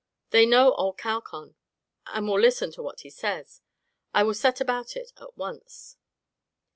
They know old Calcon, and will listen to what he says. I will set about it at once."